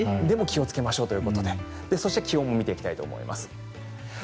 でも気をつけましょうということで気温を見ていきたいと思います。